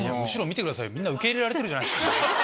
後ろ見てください、みんな、受け入れられてるじゃないですか。